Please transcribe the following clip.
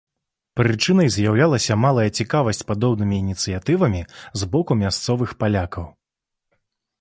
Прычынай з'яўлялася малая цікавасць падобнымі ініцыятывамі з боку мясцовых палякаў.